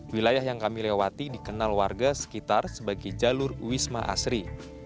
wilayah yang kami lewati dikenal warga sekitar sebagai jalur wisma asri